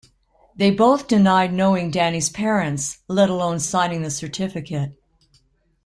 They both denied knowing Danny's parents, let alone signing the certificate.